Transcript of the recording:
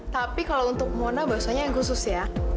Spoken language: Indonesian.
tapi kalau untuk mona bahasanya yang khusus ya